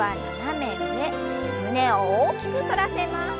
胸を大きく反らせます。